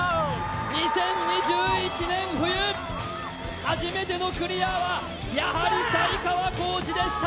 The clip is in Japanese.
２０２１年冬初めてのクリアはやはり才川コージでした！